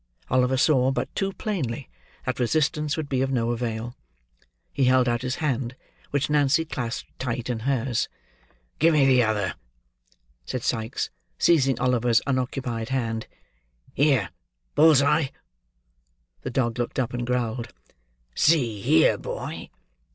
Oliver saw, but too plainly, that resistance would be of no avail. He held out his hand, which Nancy clasped tight in hers. "Give me the other," said Sikes, seizing Oliver's unoccupied hand. "Here, Bull's Eye!" The dog looked up, and growled. "See here, boy!"